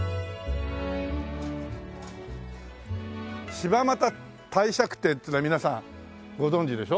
柴又帝釈天っていうのは皆さんご存じでしょ？